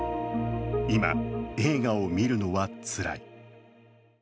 今、映画を見るのはつらい。